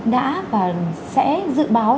đã và sẽ dự báo